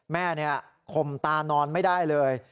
แม่ข่มตานอนไม่ได้เลย